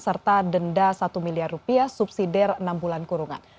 serta denda satu miliar rupiah subsidi enam bulan kurungan